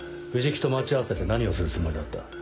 藤木と待ち合わせて何をするつもりだった？